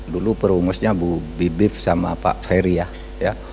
dulu perumusnya bu bibip sama pak ferry ya